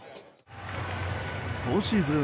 今シーズン